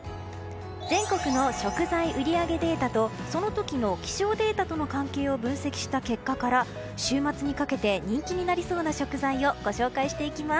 全国の食材売り上げデータとその時の気象データとの関係を分析した結果から週末にかけて人気になりそうな食材をご紹介していきます。